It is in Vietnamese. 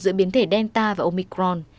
giữa biến thể delta và omicron